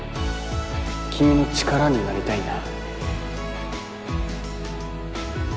君の力になりたいんだ